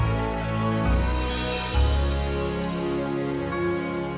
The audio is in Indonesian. jangan lupa like subscribe dan share ya